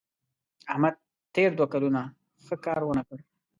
احمد تېر دوه کلونه ښه کار ونه کړ.